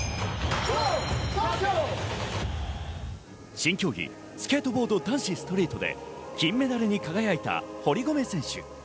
新競技、スケートボード男子ストリートで金メダルに輝いた堀米選手。